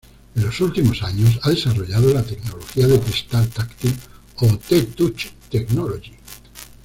En los últimos años ha desarrollado la tecnología de cristal táctil o "T-Touch "technology"".